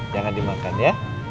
jangan dimakan ya